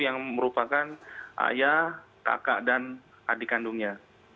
yang merupakan ayah kakak dan adik kandungnya